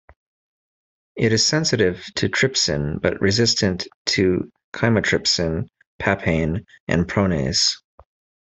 It is sensitive to trypsin but resistant to chymotrypsin, papain and pronase.